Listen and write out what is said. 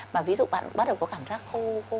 mà ví dụ bạn bắt đầu có cảm giác không